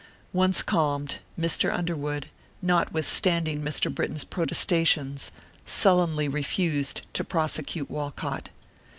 Once calmed, Mr. Underwood, notwithstanding Mr. Britton's protestations, sullenly refused to prosecute Walcott.